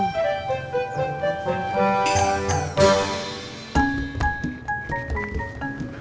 maaf saya mau nganterin rendang